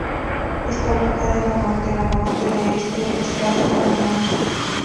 Está ubicada en la frontera norte de este estado alemán.